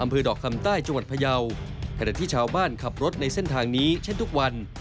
ในใต้จังหวัดพยาวขณะที่ชาวบ้านขับรถในเส้นทางนี้เช่นทุกวัน